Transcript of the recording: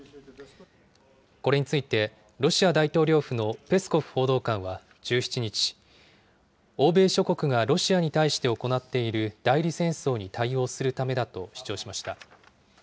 これについて、ロシア大統領府のペスコフ報道官は１７日、欧米諸国がロシアに対して行っている代理戦争に対応するためだと主張しました。